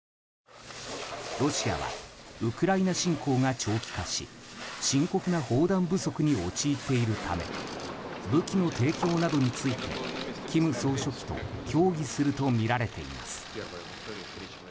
ロシアはウクライナ侵攻が長期化し深刻な砲弾不足に陥っているため武器の提供などについて金総書記と協議するとみられています。